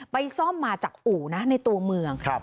ซ่อมมาจากอู่นะในตัวเมือง